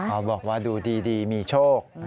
เขาบอกว่าดูดีมีโชค